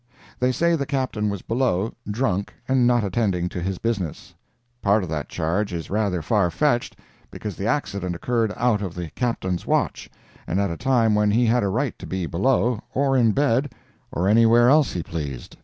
They say the Captain was below, drunk, and not attending to his business. Part of that charge is rather far fetched—because the accident occurred out of the Captain's watch, and at a time when he had a right to be below, or in bed, or anywhere else he pleased.